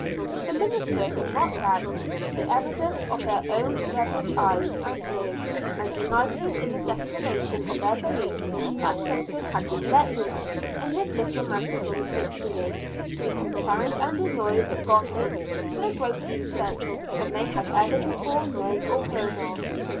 The ministers could not doubt the evidence of their own reverend eyes and ears, and united in the declaration of their belief that Satan had been let loose in this little Massachusetts village, to confound and annoy the godly, to a greater extent than they had ever before known or heard of.